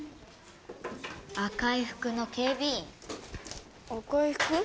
赤い服の警備員赤い服？